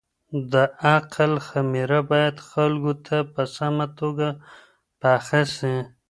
د عقل خميره بايد خلګو ته په سمه توګه پخه سي.